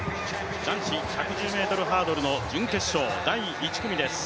男子１１０ｍハードルの準決勝、第１組です。